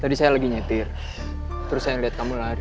tadi saya lagi nyetir terus saya lihat kamu lari